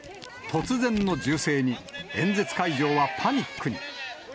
突然の銃声に演説会場はパニックに。